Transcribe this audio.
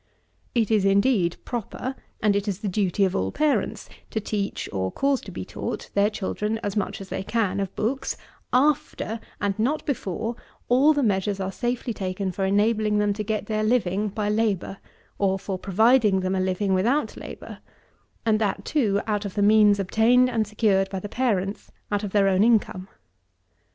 It is, indeed, proper, and it is the duty of all parents, to teach, or cause to be taught, their children as much as they can of books, after, and not before, all the measures are safely taken for enabling them to get their living by labour, or for providing them a living without labour, and that, too, out of the means obtained and secured by the parents out of their own income.